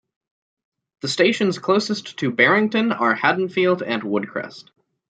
The stations closest to Barrington are Haddonfield and Woodcrest.